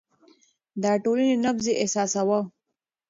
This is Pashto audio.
د ټولنې نبض يې احساساوه.